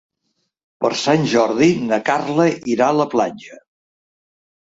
Per Sant Jordi na Carla irà a la platja.